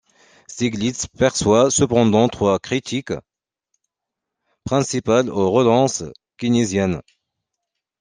Stiglitz perçoit cependant trois critiques principales aux relances keynésiennes.